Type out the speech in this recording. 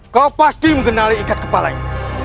kau pasti mengenali ikat kepala ini